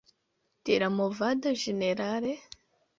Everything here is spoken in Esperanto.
De la movado ĝenerale?